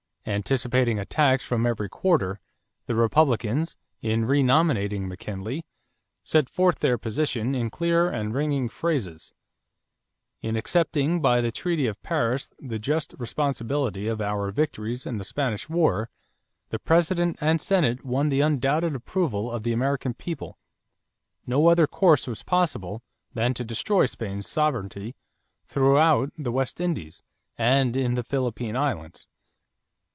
Anticipating attacks from every quarter, the Republicans, in renominating McKinley, set forth their position in clear and ringing phrases: "In accepting by the treaty of Paris the just responsibility of our victories in the Spanish War the President and Senate won the undoubted approval of the American people. No other course was possible than to destroy Spain's sovereignty throughout the West Indies and in the Philippine Islands.